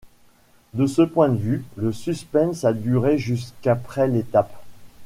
De ce point de vue, le suspense a duré jusqu'après l'étape.